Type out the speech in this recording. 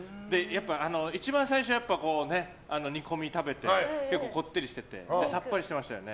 一番最初、煮込み食べて結構こってりしててさっぱりしてましたよね。